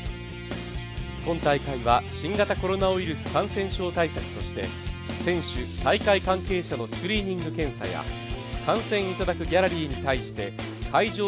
今大会は新型コロナウイルス感染症対策として選手、大会関係者のスクリーニング検査や観戦いただくギャラリーに対して会場